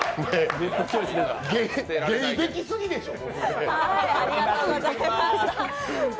芸できすぎでしょ。